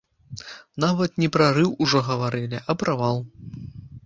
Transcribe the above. Нават не прарыў ужо гаварылі, а правал!